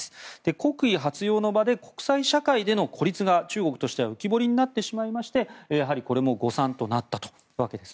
国威発揚の場で国際社会での孤立が中国としては浮き彫りになってしまいましてやはりこれも誤算となってしまったわけです。